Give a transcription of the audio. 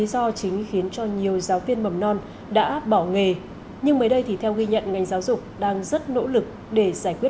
xin chào và hẹn gặp lại